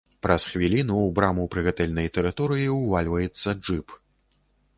Праз хвіліну ў браму прыгатэльнай тэрыторыі ўвальваецца джып.